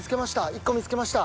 １個見つけました。